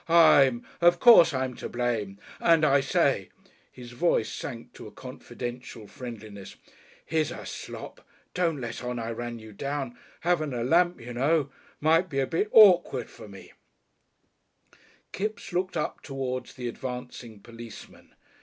I'm . Of course I'm to blame, and I say " his voice sank to a confidential friendliness. "Here's a slop. Don't let on I ran you down. Haven't a lamp, you know. Might be a bit awkward, for me." Kipps looked up towards the advancing policeman.